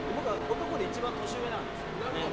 男で一番年上なんですよ。